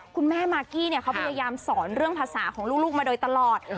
คุณแม่มากกี้เขาพยายามสอนเรื่องภาษาของลูกมาโดยตลอด